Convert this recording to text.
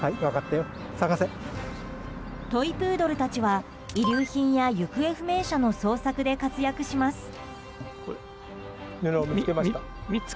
トイプードルたちは遺留品や行方不明者の捜索で活躍します。